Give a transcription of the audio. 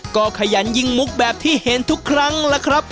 ก็ขยันยิงมุกแบบที่เห็นทุกครั้งล่ะครับ